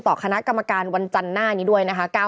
คณะกรรมการวันจันทร์หน้านี้ด้วยนะคะ